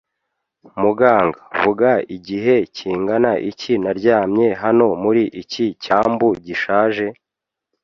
muganga vuga igihe kingana iki naryamye hano muri iki cyambu gishaje? ”